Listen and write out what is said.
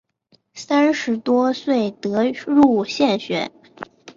三十多岁得入县学。